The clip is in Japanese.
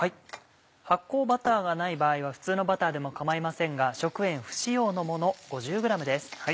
発酵バターがない場合は普通のバターでも構いませんが食塩不使用のもの５０ｇです。